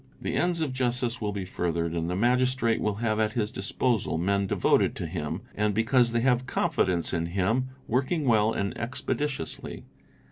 The ends of justice will be furthered, and the Magistrate will have at his : disposal men devoted to him, and, because they have confidence in him, i working well and expeditiously.